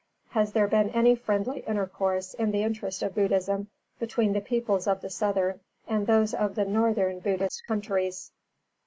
_Has there been any friendly intercourse in the interest of Buddhism between the peoples of the Southern and those of the Northern Buddhist countries?